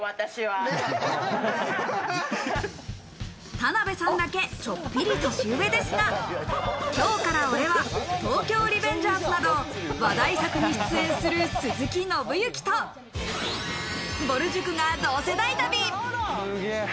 田辺さんだけちょっぴり年上ですが、『今日から俺は！！』、『東京リベンジャーズ』など話題作に出演する鈴木伸之とぼる塾が同世代旅！